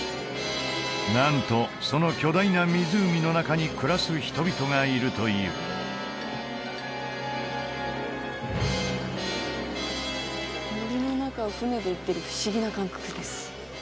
なんとその巨大な湖の中に暮らす人々がいるという森の中を舟で行ってる不思議な感覚です